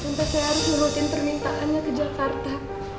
sampai saya harus ngurutin permintaannya ke jakarta